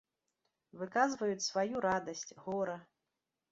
Выказваюць сваю радасць, гора.